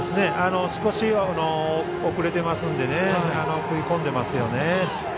少し遅れていますので食い込んでいますよね。